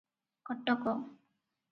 Cuttack.